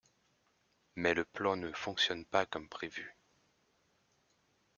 Mais le plan ne fonctionne pas comme prévu...